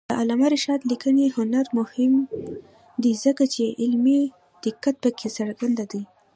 د علامه رشاد لیکنی هنر مهم دی ځکه چې علمي دقت پکې څرګند دی.